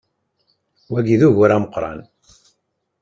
Wa d ugur ameqqran!